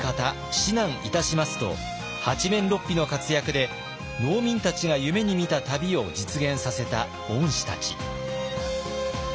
指南いたします」と八面六臂の活躍で農民たちが夢にみた旅を実現させた御師たち。